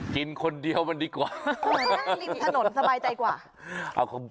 กินคนเดียวมันดีกว่านั่งริมถนนสบายใจกว่า